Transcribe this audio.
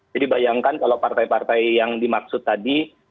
jadi bayangkan kalau partai partai yang dimaksud tadi